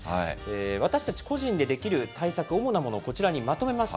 私たち個人でできる対策、主なものをこちらにまとめました、